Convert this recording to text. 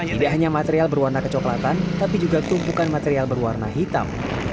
tidak hanya material berwarna kecoklatan tapi juga tumpukan material berwarna hitam